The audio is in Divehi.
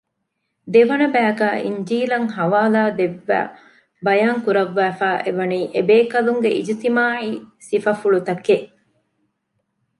ދެވަނަ ބައިގައި އިންޖީލަށް ޙަވާލާދެއްވައި ބަޔާންކުރައްވައިފައިއެވަނީ އެބޭކަލުންގެ އިޖްތިމާޢީ ސިފަފުޅުތަކެއް